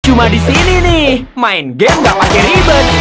cuma disini nih main game gak lagi ribet